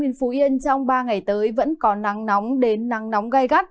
phú yên trong ba ngày tới vẫn có nắng nóng đến nắng nóng gai gắt